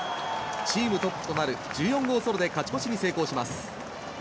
チームトップとなる１４号ソロで勝ち越しに成功します。